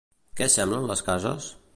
Què semblen les cases?